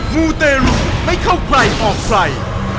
มูเตรุไม่เข้าใกล้ออกไฟ